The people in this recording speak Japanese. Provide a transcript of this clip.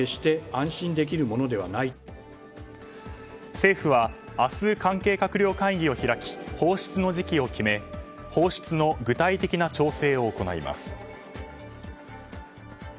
政府は明日関係閣僚会議を開き放出の時期を決め放出の具体的な調整を行います。